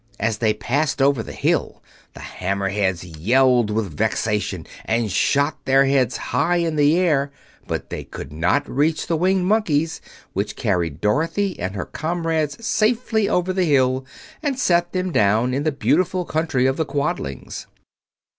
As they passed over the hill the Hammer Heads yelled with vexation, and shot their heads high in the air, but they could not reach the Winged Monkeys, which carried Dorothy and her comrades safely over the hill and set them down in the beautiful country of the Quadlings.